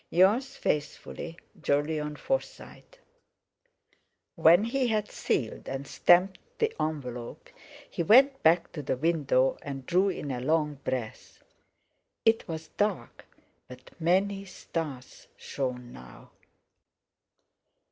"Yours faithfully, "JOLYON FORSYTE." When he had sealed and stamped the envelope, he went back to the window and drew in a long breath. It was dark, but many stars shone now.